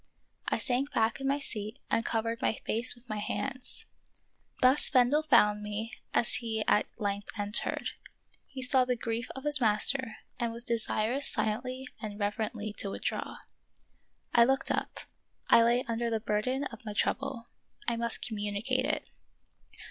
I sank back in my seat and covered my face with my hands. Thus Bendel found me as he at length entered. He saw the grief of his master and was desirous silently and reverently to withdraw. I looked up ; I lay under the burden of my trouble ; I must communicate it.